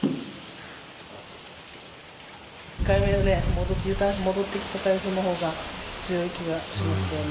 ２回目に戻ってきた台風のほうが、強い気がしますよね。